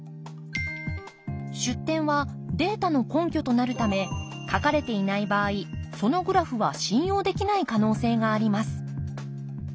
出典はデータの根拠となるため書かれていない場合そのグラフは信用できない可能性があります。